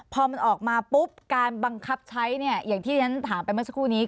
พอมันออกมาปุ๊บการบังคับใช้เนี่ยอย่างที่ฉันถามไปเมื่อสักครู่นี้